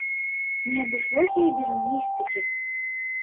Не абышлося і без містыкі.